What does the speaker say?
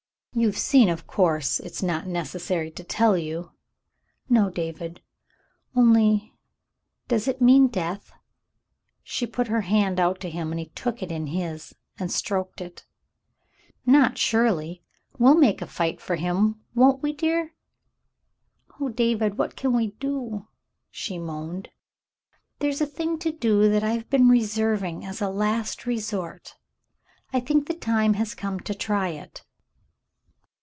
"You've seen, of course. It's not necessary to tell you." "No, David — only — does it mean death ?" She put her hand out to him, and he took it in his and stroked it. "Not surely. We'll make a fight for him, won't we, dear.?" "Oh, David ! What can we do ?'' she moaned. "There's a thing to do that I've been reserving as a last no The Mountain Girl resort. I think the time has come to try it.